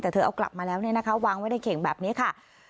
แต่เธอเอากลับมาแล้วเนี่ยนะคะวางไว้ในเข่งแบบนี้ค่ะ